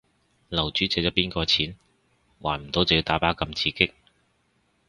樓主借咗邊個錢？還唔到就要打靶咁刺激